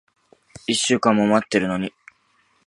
一週間も待ってるのに。